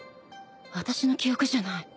あたしの記憶じゃない。